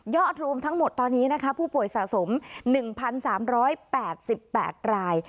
ยอดรวมทั้งหมดตอนนี้นะคะผู้ป่วยสะสมหนึ่งพันสามร้อยแปดสิบแปดราย